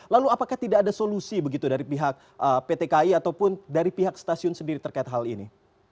lalu apakah tidak ada solusi begitu dari pihak pt ki ataupun dari pihak stasiun sendiri terkait hal ini